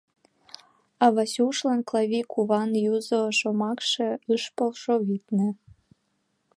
А Васюшлан Клави куван юзо шомакше ыш полшо, витне.